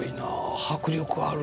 迫力ある。